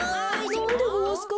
なんでごわすか？